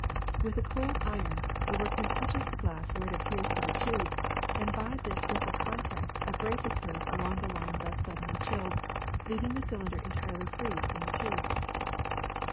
With a cold iron the workman touches the glass where it adheres to the tube, and by this simple contact a break occurs along the line thus suddenly chilled, leaving the cylinder entirely freed from the tube.